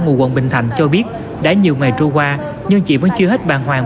ngụ quận bình thành cho biết đã nhiều ngày trôi qua nhưng chị vẫn chưa hết bàn hoàng